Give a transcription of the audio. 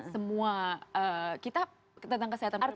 semua kita tentang kesehatan kita